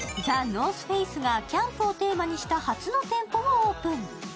ＴＨＥＮＯＲＴＨＦＡＣＥがキャンプをテーマにした初の店舗をオープン。